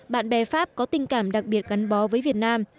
bạn bè pháp có tình cảm đặc biệt gắn bó với việt nam